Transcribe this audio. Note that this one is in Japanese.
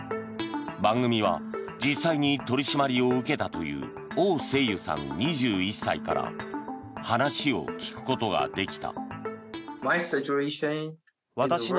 番組は実際に取り締まりを受けたというオウ・セイユさん、２１歳から話を聞くことができた。